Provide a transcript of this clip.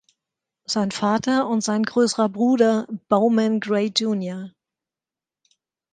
Sein Vater und sein größerer Bruder Bowman Gray, Jr.